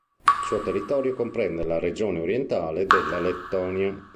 Il suo territorio comprende la regione orientale della Lettonia.